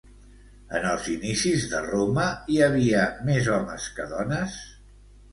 En els inicis de Roma, hi havia més homes que dones?